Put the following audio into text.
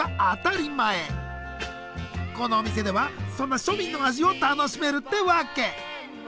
このお店ではそんな庶民の味を楽しめるってわけ。